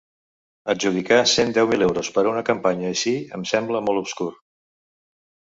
Adjudicar cent deu mil euros per a una campanya així em sembla molt obscur.